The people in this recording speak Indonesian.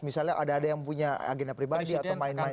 misalnya ada ada yang punya agenda pribadi atau main main